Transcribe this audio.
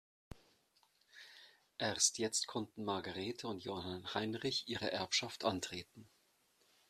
Erst jetzt konnten Margarete und Johann Heinrich ihre Erbschaft antreten.